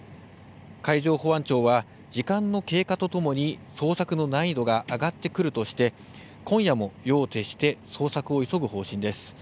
海上保安庁は時間の経過と共に捜索の難易度が上がってくるとして今夜も夜を徹して捜索を急ぐ方針です。